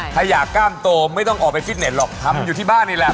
ถ้าอยากกล้ามโตไม่ต้องออกไปฟิตเน็ตหรอกทำอยู่ที่บ้านนี่แหละ